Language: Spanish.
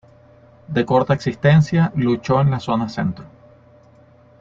De corta existencia, luchó en la zona centro.